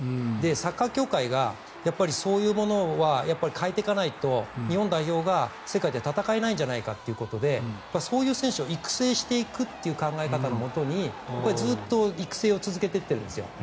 サッカー協会がそういうものは変えていかないと日本代表が世界では戦えないんじゃないかということでそういう選手を育成していくという考え方のもとずっと育成を続けていってるんです。